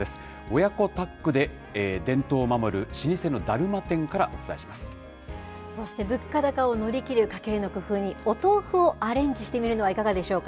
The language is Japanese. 親子タッグで伝統を守る、老舗のそして物価高を乗り切る家計の工夫に、お豆腐をアレンジしてみるのはいかがでしょうか。